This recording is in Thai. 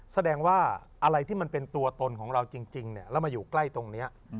แสดงว่าอะไรที่มันเป็นตัวตนของเราจริงแล้วมาอยู่ใกล้ตรงนี้